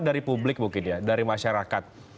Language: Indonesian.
dari publik mungkin ya dari masyarakat